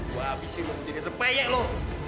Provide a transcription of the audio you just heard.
gue abisin lo menjadi depan yek lo